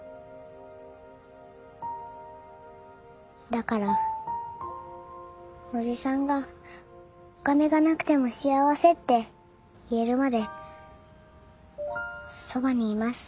だから叔父さんが「お金がなくても幸せ」って言えるまでそばにいます。